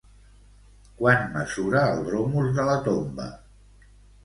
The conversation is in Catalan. Quant mesura el dromos de la tomba?